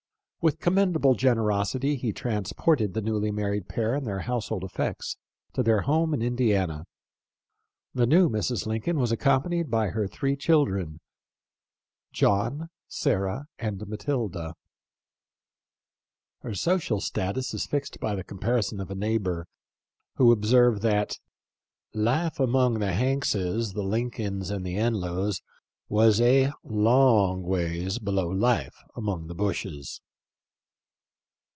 With commendable generosity he transported the newly married pair and their household effects to their home in Indiana. The new Mrs. Lincoln was accompanied by her three children, John, Sarah, and Matilda. Her social status is fixed by the comparison of a neighbor, who observed that " life among the Hankses, the Lin colns, and the Enlows was a long ways below life among the Bushes."